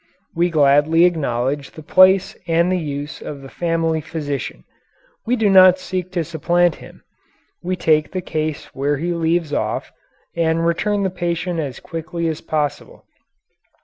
We gladly acknowledge the place and the use of the family physician. We do not seek to supplant him. We take the case where he leaves off, and return the patient as quickly as possible.